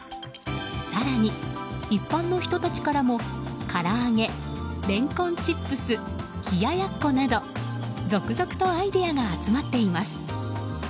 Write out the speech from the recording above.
更に、一般の人たちからもから揚げ、レンコンチップス冷ややっこなど続々とアイデアが集まっています。